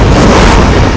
kurang dengar ini